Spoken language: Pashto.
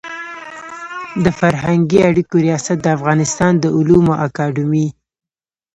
د فرهنګي اړیکو ریاست د افغانستان د علومو اکاډمي